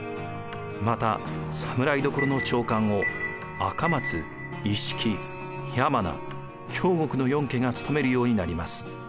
また侍所の長官を赤松・一色・山名・京極の四家が務めるようになります。